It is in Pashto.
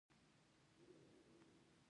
ایا د هغوی خوب کنټرولوئ؟